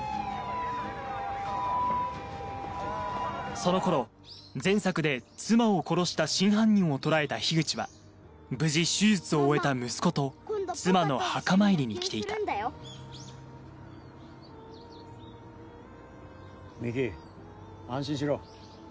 その頃前作で妻を殺した真犯人を捕らえた口は無事手術を終えた息子と妻の墓参りに来ていた未希安心しろ。